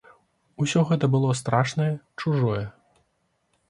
Усё гэта было страшнае, чужое.